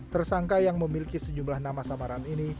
tersangka yang memiliki sejumlah nama samaran ini